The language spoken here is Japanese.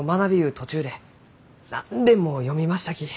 途中で何べんも読みましたき。